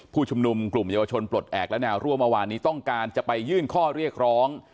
ผู้ชุมนุมกลุ่มเยาวชนปลดแอบและแนวร่วมเมื่อวานนี้ต้องการจะไปยื่นข้อเรียกร้อง